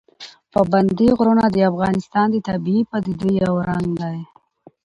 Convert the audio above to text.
پابندي غرونه د افغانستان د طبیعي پدیدو یو رنګ دی.